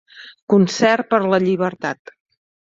Concert per la llibertat.